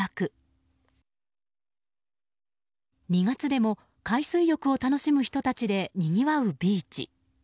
２月でも海水浴を楽しむ人たちでにぎわうビーチ。